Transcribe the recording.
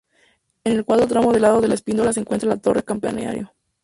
En el cuarto tramo del lado de la epístola se encuentra la torre-campanario.